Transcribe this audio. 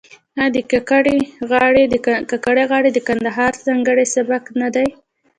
آیا د کاکړۍ غاړې د کندهار ځانګړی سبک نه دی؟